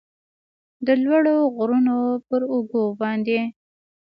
د لوړو غرونو پراوږو باندې